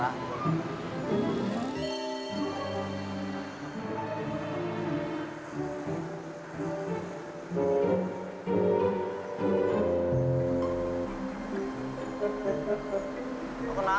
yang fungsinya ngian ngian saja